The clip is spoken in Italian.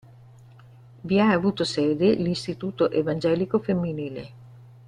Vi ha avuto sede l'Istituto evangelico femminile.